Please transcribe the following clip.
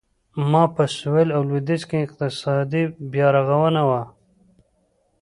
دا په سوېل او لوېدیځ کې اقتصادي بیارغونه وه.